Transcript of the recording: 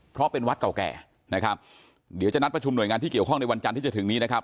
เพราะเป็นวัดเก่าแก่นะครับเดี๋ยวจะนัดประชุมหน่วยงานที่เกี่ยวข้องในวันจันทร์ที่จะถึงนี้นะครับ